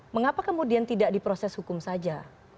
mengapa kemudian tidak diproses hukum saja